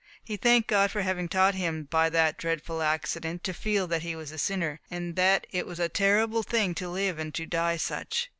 He thanked God for having taught him by that dreadful accident to feel that he was a sinner, and that it was a terrible thing to live and to die such.